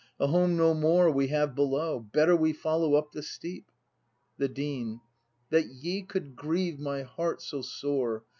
] A home no more we have below; Better we follow up the steep! The Dean. That ye could grieve my heart so sore.